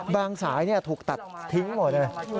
สายถูกตัดทิ้งหมดเลย